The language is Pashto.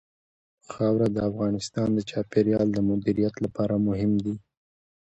خاوره د افغانستان د چاپیریال د مدیریت لپاره مهم دي.